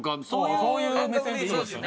そういう目線でいいですよね。